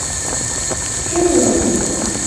Кем уйлаған...